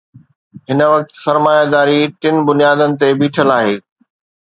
هن وقت سرمائيداري ٽن بنيادن تي بيٺل آهي.